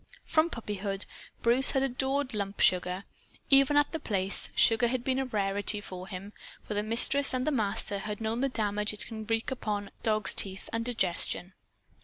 From puppyhood, Bruce had adored lump sugar. Even at The Place, sugar had been a rarity for him, for the Mistress and the Master had known the damage it can wreak upon a dog's teeth and digestion.